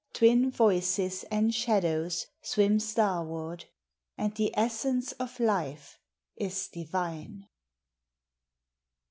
Twin voices and shadows swim star ward, and the essence of life is divine.